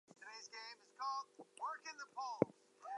His keen nose gives him an advantage over most other breeds for trailing.